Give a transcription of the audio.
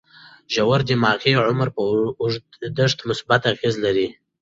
روژه د دماغي عمر پر اوږدښت مثبت اغېز لري.